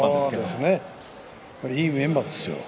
いいメンバーですよ。